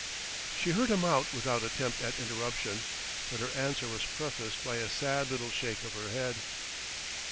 She heard him out without attempt at interruption, but her answer was prefaced by a sad little shake of her head.